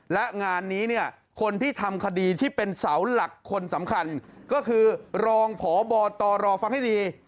และงานนี้เนี่ยคนที่ทำคดีที่เป็นเสาหลักคนสำคัญก็คือรองพบตรฟังให้ดี